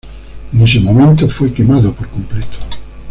En ese momento fue quemado por completo.